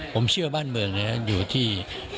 ผมเชื่อบ้านเมืองนะครับอยู่ที่